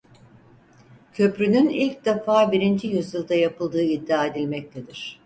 Köprünün ilk defa birinci yüzyılda yapıldığı iddia edilmektedir.